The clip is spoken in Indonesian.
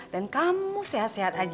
dan kamu sehat sehat aja